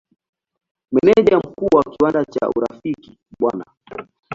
Meneja Mkuu wa kiwanda cha Urafiki Bw.